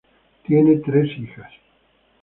Tienen tres hijas.